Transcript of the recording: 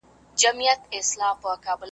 زه چي ګورمه موږ هم یو ځان وهلي .